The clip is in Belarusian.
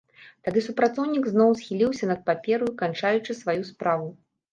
Тады супрацоўнік зноў схіліўся над папераю, канчаючы сваю справу.